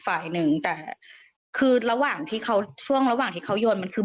ฝ่ายหนึ่งแต่คือระหว่างที่เขาช่วงระหว่างที่เขาโยนมันคือ